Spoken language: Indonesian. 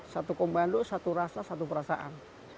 satu komando satu rasa satu perasaan